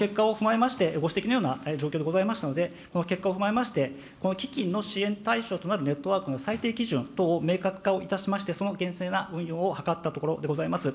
この結果を踏まえまして、ご指摘のような状況でございますので、この結果を踏まえまして、この基金の支援対象となるネットワークの最低基準等を明確化をいたしまして、その厳正な運用を図ったところでございます。